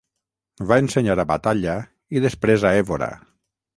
Va ensenyar a Batalha i després a Évora.